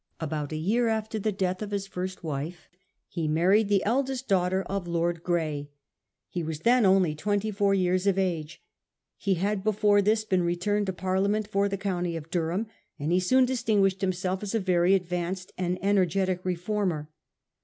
About a year after the death of his first wife, he 62 A HISTORY OF OUR OWN TIMES. oh. nr. married the eldest daughter of Lord Grey. He was then, only twenty four years of age. He had before this been returned to Parliament for the county of Durham, and he soon distinguished himself as a very advanced and energetic reformer.